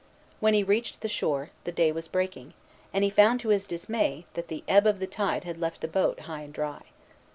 When he reached the shore, the day was breaking, and he found, to his dismay, that the ebb of the tide had left the boat high and dry.